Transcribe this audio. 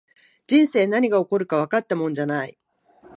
人生、何が起こるかわかったもんじゃない